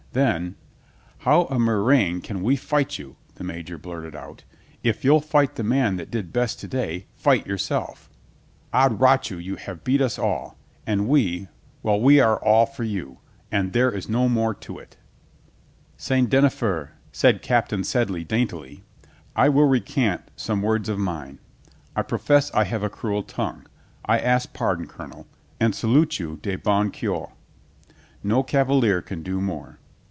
Then, "How a murrain can we fight you?" the Major blurted out. "If you'll fight the man that did best to day, fight yourself. Od rot you, you have beat us all. And we — well, we are all for you, and there is no more to it" *'Sein d'enjer" said Captain Sedley daintily, "I will recant some words of mine. I profess I have a cruel tongue. I ask pardon, Colonel, and salute you de bon cocur. No Cavalier can do more."